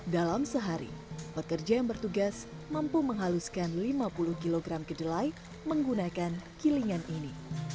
dalam sehari pekerja yang bertugas mampu menghaluskan lima puluh kg kedelai menggunakan kilingan ini